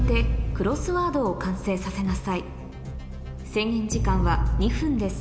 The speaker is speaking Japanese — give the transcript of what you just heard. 制限時間は２分です